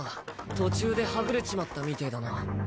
途中ではぐれちまったみてぇだな。